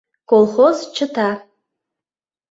«Колхоз чыта».